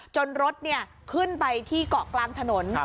จนรถเนี่ยขึ้นไปที่เกาะกลางถนน